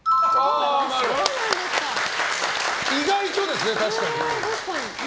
意外とですね、確かに。